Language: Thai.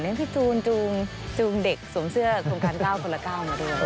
ให้พี่จูนจูงเด็กสวมเสื้อโครงการ๙คนละ๙มาด้วย